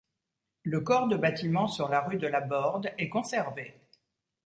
Le corps de bâtiment sur la rue de Laborde est conservé.